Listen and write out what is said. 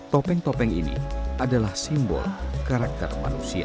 topeng topeng ini adalah simbol karakter manusia